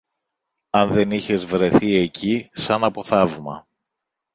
Αν δεν είχες βρεθεί εκεί, σαν από θαύμα